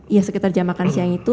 ya sekitar jam makan siang itu